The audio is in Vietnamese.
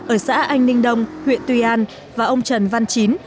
ở xã anh ninh đông huyện tuy an và ông trần văn chín